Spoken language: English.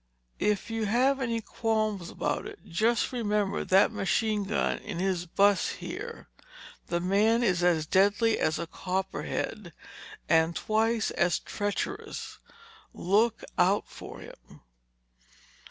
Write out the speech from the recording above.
If you have any qualms about it, just remember that machine gun in his bus here. The man is as deadly as a copperhead and twice as treacherous. Look out for him."